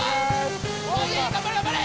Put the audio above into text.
頑張れ頑張れ！